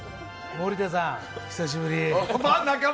森田さん、久しぶり。